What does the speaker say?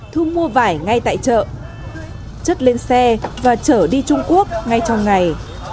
thu mua vải ngay tại chợ chất lên xe và chở đi trung quốc ngay trong ngày